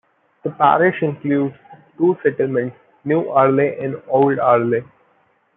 The parish includes two settlements, New Arley and Old Arley.